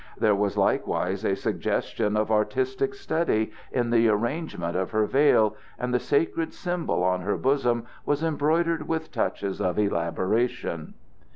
There was likewise a suggestion of artistic study in the arrangement of her veil, and the sacred symbol on her bosom was embroidered with touches of elaboration.